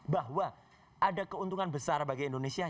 bahwa ada keuntungan besar bagi indonesia